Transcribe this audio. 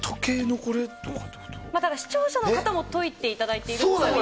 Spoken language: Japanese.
ただ視聴者の方も解いていただいているので。